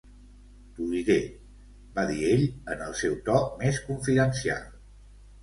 "T'ho diré", va dir ell en el seu to més confidencial.